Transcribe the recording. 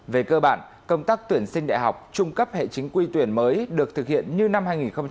về cơ bản công tác tuyển sinh đại học trung cấp hệ chính quy tuyển mới được thực hiện như năm hai nghìn một mươi chín